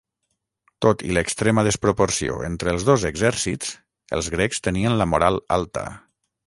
Tot i l'extrema desproporció entre els dos exèrcits, els grecs tenien la moral alta.